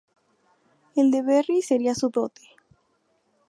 El de Berry sería su dote.